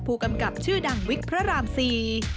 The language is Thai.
ผู้กำกับชื่อดังวิกพระรามสี่